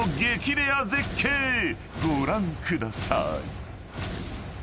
レア絶景ご覧ください］